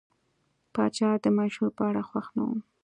پاچا د منشور په اړه خوښ نه و.